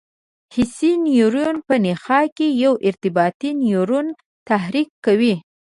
حسي نیورون په نخاع کې یو ارتباطي نیورون تحریکوي.